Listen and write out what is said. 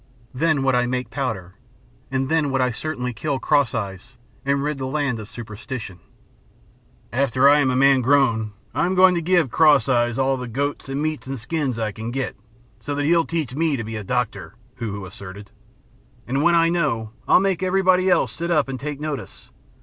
Then would I make powder, and then would I certainly kill Cross Eyes and rid the land of superstition " "After I am man grown I am going to give Cross Eyes all the goats, and meat, and skins I can get, so that he'll teach me to be a doctor," Hoo Hoo asserted. "And when I know, I'll make everybody else sit up and take notice.